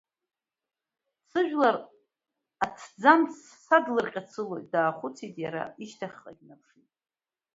Дсыжәлар, аҭӡамц садлырҟьацылоит, даахәыцит иара, ишьҭахьҟагьы днаԥшит.